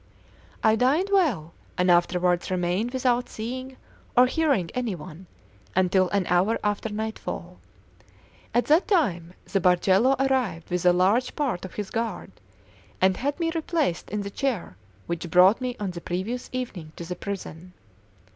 I dined well, and afterwards remained without seeing or hearing any one until an hour after nightfall. At that time the Bargello arrived with a large part of his guard, and had me replaced in the chair which brought me on the previous evening to the prison.